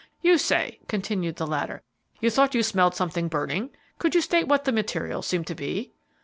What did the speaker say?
"You say," continued the latter, "you thought you smelled something burning; could you state what the material seemed to be?"